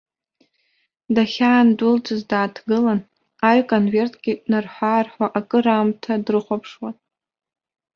Дахьаадәылҵыз дааҭгылан, аҩ-конверткгьы нарҳәы-аарҳәуа акраамҭа дрыхәаԥшуан.